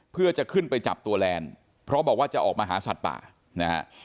เพื่อจะขึ้นไปจับตัวแลนด์เพราะบอกว่าจะออกมาหาสัตว์ป่านะฮะ